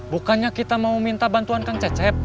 bukannya kita mau minta bantuan kang cecep